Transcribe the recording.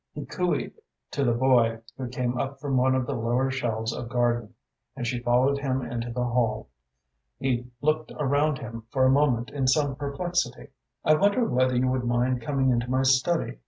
He cooeed to the boy, who came up from one of the lower shelves of garden, and she followed him into the hall. He looked around him for a moment in some perplexity. "I wonder whether you would mind coming into my study?"